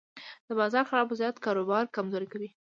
د بازار خراب وضعیت کاروبار کمزوری کوي.